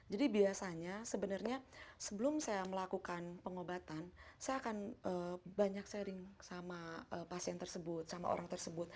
jadi biasanya sebenarnya sebelum saya melakukan pengobatan saya akan banyak sharing sama pasien tersebut sama orang tersebut